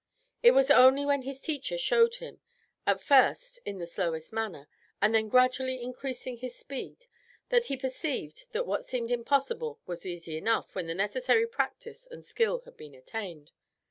It was only when his teacher showed him, at first in the slowest manner, and then gradually increasing his speed, that he perceived that what seemed impossible was easy enough when the necessary practice and skill had been attained.